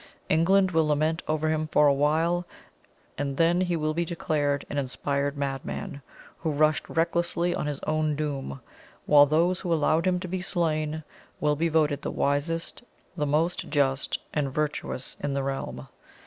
England will lament over him for a little while, and then he will be declared an inspired madman, who rushed recklessly on his own doom; while those who allowed him to be slain will be voted the wisest, the most just and virtuous in the realm."